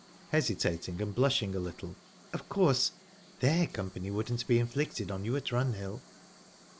Hesitating, and blushing a little "Of course, their company wouldn't be inflicted on you at Runhill."